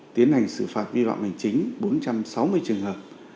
tiến hành xử phạt vi phạm hành chính bốn trăm sáu mươi trường hợp